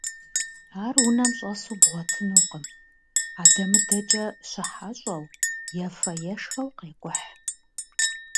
Ар унэм щӏэсу бгъуэтынукъым, адэмыдэкӏэ щыхьэщӏэу, ефэ-ешхэу къекӏухь.